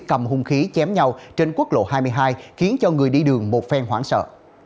cầm hung khí chém nhau trên quốc lộ hai mươi hai khiến cho người đi đường bột phen hoảng sợ